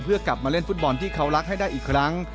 เพื่อกลับมาเล่นฟุตบอลที่เขารักให้ได้อีกครั้ง